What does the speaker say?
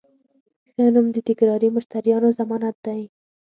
ښه نوم د تکراري مشتریانو ضمانت دی.